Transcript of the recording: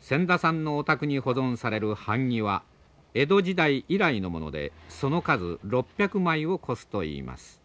千田さんのお宅に保存される版木は江戸時代以来のものでその数６００枚を超すといいます。